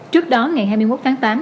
trước đó ngày hai mươi một tháng tám